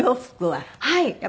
はい。